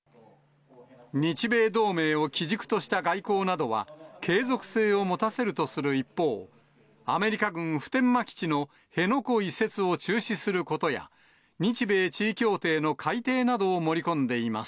日米同盟を基軸とした外交などは、継続性を持たせるとする一方、アメリカ軍普天間基地の辺野古移設を中止することや、日米地位協定の改定などを盛り込んでいます。